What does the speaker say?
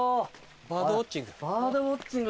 バードウオッチング。